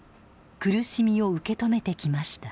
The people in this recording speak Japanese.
苦しみを受け止めてきました。